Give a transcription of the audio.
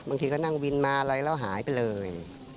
บอกเชื่อเลย